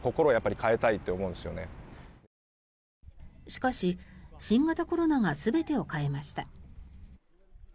しかし、新型コロナが全てを変えました。